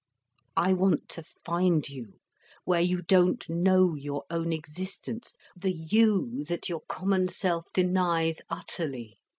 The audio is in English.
"I want to find you, where you don't know your own existence, the you that your common self denies utterly.